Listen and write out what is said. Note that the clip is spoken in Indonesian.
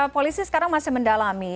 polisi sekarang masih mendalami